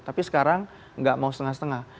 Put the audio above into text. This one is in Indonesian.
tapi sekarang nggak mau setengah setengah